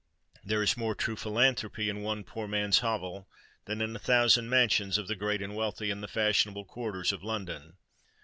There is more true philanthropy in one poor man's hovel, than in a thousand mansions of the great and wealthy in the fashionable quarters of London.